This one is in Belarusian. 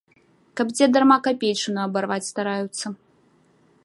Каб дзе дарма капейчыну абарваць стараюцца.